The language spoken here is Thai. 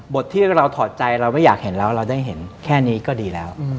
ที่เราถอดใจเราไม่อยากเห็นแล้วเราได้เห็นแค่นี้ก็ดีแล้ว